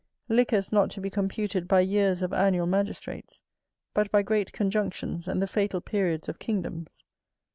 Liquors not to be computed by years of annual magistrates, but by great conjunctions and the fatal periods of kingdoms.